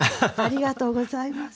ありがとうございます。